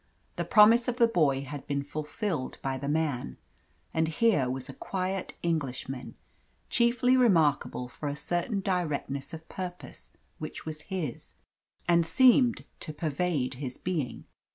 The promise of the boy had been fulfilled by the man, and here was a quiet Englishman, chiefly remarkable for a certain directness of purpose which was his, and seemed to pervade his being.